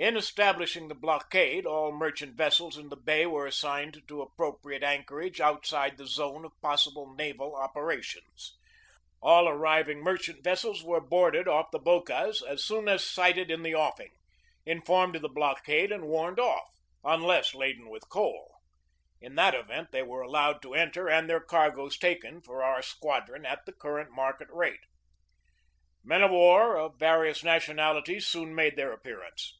In establishing the blockade all merchant vessels in the bay were assigned an appropriate anchorage outside the zone of possible naval operations. All arriving merchant vessels were boarded off the Bocas as soon as sighted in the offing, informed of the blockade and warned off, unless laden with coal. In that event they were allowed to enter and their cargoes taken for our squadron at the current market rate. Men of war of various nationalities soon made their appearance.